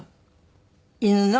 犬の？